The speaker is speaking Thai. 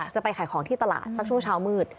จะไปขายของที่ตลาดสักช่วงเช้ามืด